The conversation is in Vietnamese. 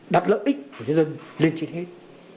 đặt lợi ích của dân dân lên trên hết